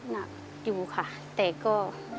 หนักอยู่ค่ะแต่ก็